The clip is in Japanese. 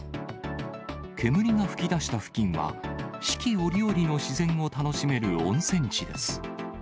煙が噴き出した付近は、四季折々の自然を楽しめる温泉地です。